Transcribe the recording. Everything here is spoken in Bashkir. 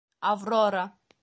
— Аврора.